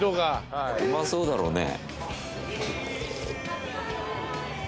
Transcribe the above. うまそうだろうね。